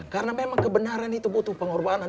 karena memang kebenaran itu butuh pengorbanan